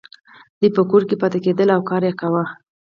دوی په کور کې پاتې کیدلې او کار یې کاوه.